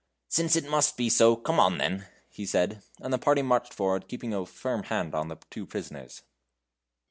"Since it must be so, come on then," he said; and the party marched forward, keeping a firm hand on the two prisoners.